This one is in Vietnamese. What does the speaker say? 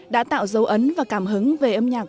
đã tạo dấu ấn và cảm hứng về âm nhạc